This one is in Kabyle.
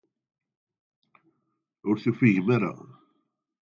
Ur tufigem ara.